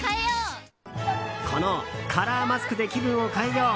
カラーマスクで気分を変えよう！